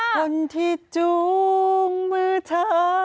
คนที่จูงมือเธอ